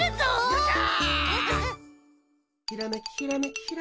よっしゃ！